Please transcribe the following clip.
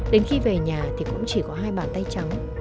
đến khi về nhà thì cũng chỉ có hai bàn tay trắng